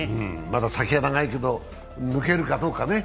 まだ先は長いけど抜けるかどうかね。